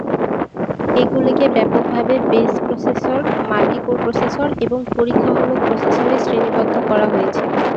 এগুলিকে ব্যাপকভাবে "base processor", "multicore processor" এবং "পরীক্ষামূলক প্রসেসর" এ শ্রেণিবদ্ধ করা হয়েছে।